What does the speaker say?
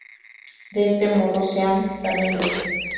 De este modo Sean gana el reto.